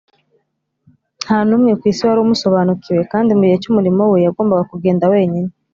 . Nta n’umwe ku isi wari umusobanukiwe, kandi mu gihe cy’umurimo we yagombaga kugenda wenyine